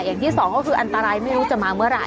อย่างที่สองก็คืออันตรายไม่รู้จะมาเมื่อไห